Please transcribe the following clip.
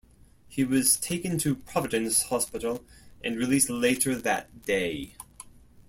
He was taken to Providence Hospital and released later that day.